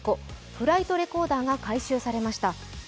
フライトレコーダーが回収されました。